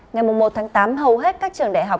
ngày một tám hầu hết các trường đại học